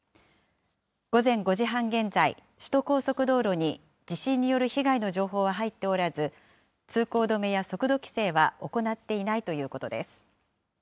午前５時半現在、首都高速道路に地震による被害の情報は入っておらず、通行止めや速度規制は行っていないということです。